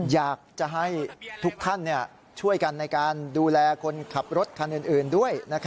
อยากจะให้ทุกท่านช่วยกันในการดูแลคนขับรถคันอื่นด้วย